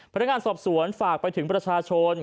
พนักงานสอบสวนฝากไปถึงประชาชน